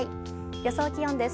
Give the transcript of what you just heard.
予想気温です。